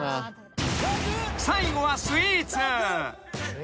［最後はスイーツ］